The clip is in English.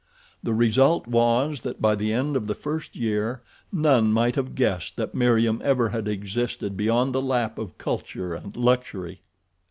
The result was that by the end of the first year none might have guessed that Meriem ever had existed beyond the lap of culture and luxury.